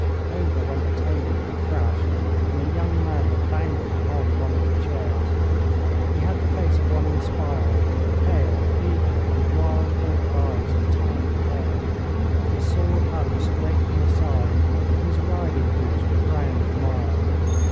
Over went a table with a crash, and a young man had bounded upon one of the chairs. He had the face of one inspired pale, eager, with wild hawk eyes, and tangled hair. His sword hung straight from his side, and his riding boots were brown with mire.